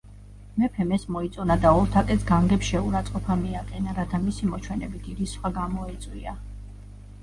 მეფემ ეს მოიწონა და ოლთაკეს განგებ შეურაცხყოფა მიაყენა, რათა მისი მოჩვენებითი რისხვა გამოეწვია.